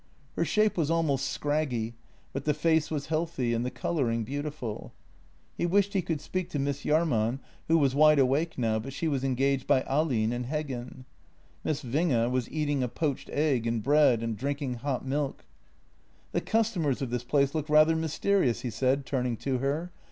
Her shape was almost scraggy, but the face was healthy and the colouring beautiful. He wished he could speak to Miss Jahrman, who was wide awake now, but she was engaged by Ahlin and Heggen. Miss Winge was eating a poached egg and bread and drinking hot milk. " The customers of this place look rather mysterious," he said, turning to her.